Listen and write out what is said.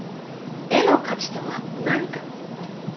絵の価値とは何か？